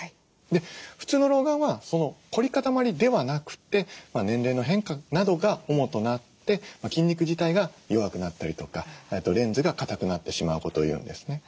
普通の老眼は凝り固まりではなくて年齢の変化などが主となって筋肉自体が弱くなったりとかレンズがかたくなってしまうことを言うんですね。